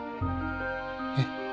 えっ？